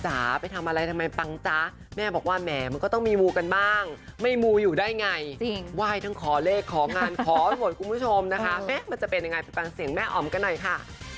ไปทำอะไรทำไมปังจ๊ะแม่บอกว่าแหมมันก็ต้องมีมูกันบ้างไม่มูอยู่ได้ไงไหว้ทั้งขอเลขของานขอหมดคุณผู้ชมนะคะมันจะเป็นยังไงไปฟังเสียงแม่อ๋อมกันหน่อยค่ะ